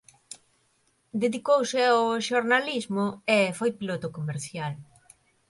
Dedicouse ao xornalismo e foi piloto comercial.